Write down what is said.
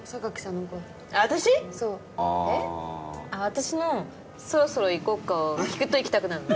私の「そろそろ行こっか」を聞くと行きたくなるの？